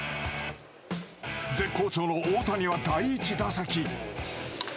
絶好調の大谷は第１打席。